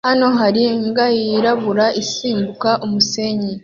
Hano hari imbwa yirabura isimbuka umusenyi